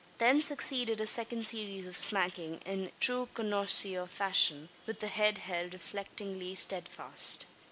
Then succeeded a second series of smacking, in true connoisseur fashion, with the head held reflectingly steadfast.